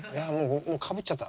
もうかぶっちゃった。